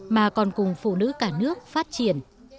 mà còn cùng phụ nữ cả nước phát triển